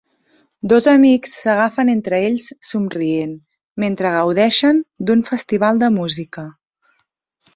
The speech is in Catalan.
Dos amics s"agafen entre ells somrient mentre gaudeixen d"un festival de música.